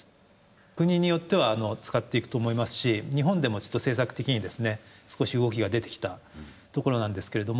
国によっては使っていくと思いますし日本でもちょっと政策的にですね少し動きが出てきたところなんですけれども。